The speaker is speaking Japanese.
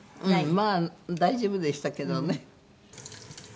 まあ大丈夫でしたけどね。